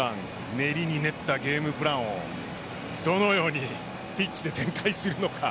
練りに練ったゲームプランをどのようにピッチで展開するのか。